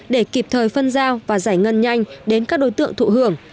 để kịp thời phân giao và giải ngân nhanh đến các đối tượng thụ hưởng